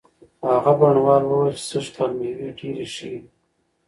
هغه بڼوال وویل چې سږکال مېوې ډېرې ښې دي.